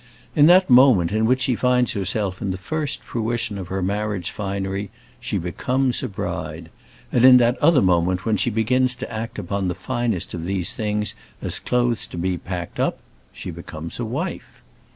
In that moment in which she finds herself in the first fruition of her marriage finery she becomes a bride; and in that other moment, when she begins to act upon the finest of these things as clothes to be packed up, she becomes a wife.